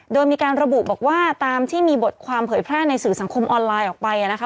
โดยมีการระบุบอกว่าตามที่มีบทความเผยแพร่ในสื่อสังคมออนไลน์ออกไปนะคะ